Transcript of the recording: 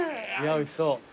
おいしそう。